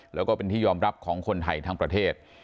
แล้วก็เป็นที่ยอมรับของคนไทยทั้งประเทศ